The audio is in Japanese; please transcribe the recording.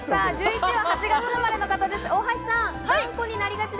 １１位は８月生まれの方です、大橋さん。